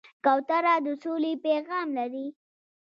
کوتره د سولې پیغام لري.